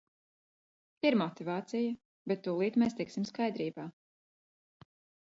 Ir motivācija, bet tūlīt mēs tiksim skaidrībā.